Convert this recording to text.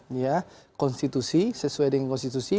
ini ya konstitusi sesuai dengan konstitusi